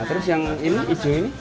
terus yang ini ijo ini